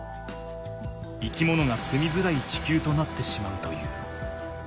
生きものがすみづらい地球となってしまうという。